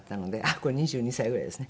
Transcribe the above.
これ２２歳ぐらいですね。